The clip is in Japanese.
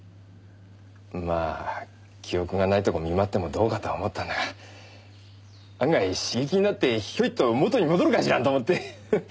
まあ記憶がないとこ見舞ってもどうかとは思ったんだが案外刺激になってヒョイッと元に戻るかしらんと思って。